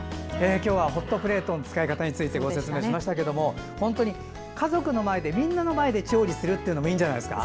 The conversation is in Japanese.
今日はホットプレートの使い方についてご説明しましたが本当に家族の前でみんなの前で調理するというのもいいんじゃないですか。